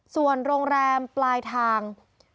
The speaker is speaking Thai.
ส่วนโรงแรมปลายทาง